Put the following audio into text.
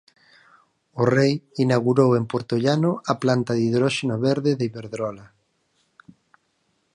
O Rei inaugurou en Puertollano a planta de hidróxeno verde de Iberdrola.